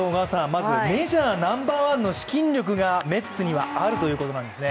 まずメジャーナンバーワンの資金力がメッツにはあるということなんですね。